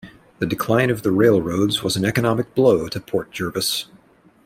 The decline of the railroads was an economic blow to Port Jervis.